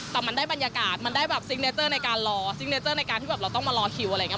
แต่มันได้บรรยากาศมันได้แบบในการรอในการที่แบบเราต้องมารอคิวอะไรอย่างงั้น